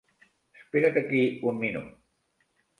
Espera't aquí un minut.